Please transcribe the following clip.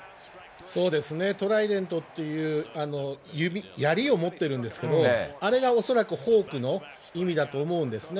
そうですね、トライデントっていう槍を持ってるんですけど、あれが恐らくフォークの意味だと思うんですね。